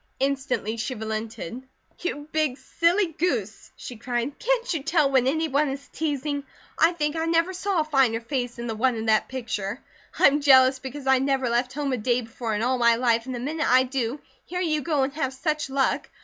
Instantly she relented. "You big silly goose!" she said. "Can't you tell when any one is teasing? I think I never saw a finer face than the one in that picture. I'm jealous because I never left home a day before in all my life, and the minute I do, here you go and have such luck.